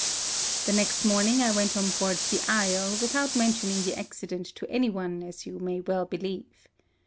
The next morning I went on board the Aigle, without mention ing the accident to any one, as you may well believe.